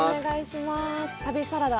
旅サラダ